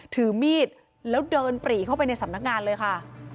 ถือมีดแล้วเดินปรีเข้าไปในสำนักงานเลยค่ะ